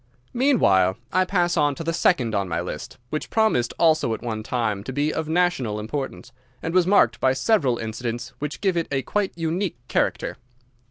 Meanwhile I pass on to the second on my list, which promised also at one time to be of national importance, and was marked by several incidents which give it a quite unique character.